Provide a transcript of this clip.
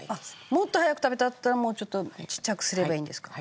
もっと早く食べたかったらもうちょっとちっちゃくすればいいんですか。